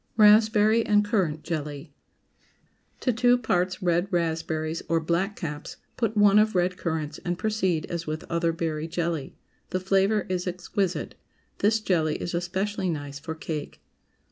RASPBERRY AND CURRANT JELLY. ✠ To two parts red raspberries or "Blackcaps," put one of red currants, and proceed as with other berry jelly. The flavor is exquisite. This jelly is especially nice for cake.